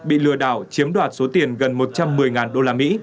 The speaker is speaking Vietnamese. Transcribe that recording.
bị lừa đảo chiếm đoạt số tiền gần một trăm một mươi usd